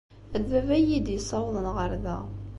D baba ay iyi-d-yessawḍen ɣer da.